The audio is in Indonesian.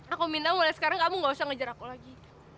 aku minta mulai sekarang kamu gak usah ngejar aku lagi